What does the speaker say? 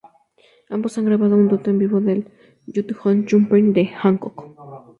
Ambos han grabado un dueto en vivo del "Juke Joint Jumpin'" de Hancock.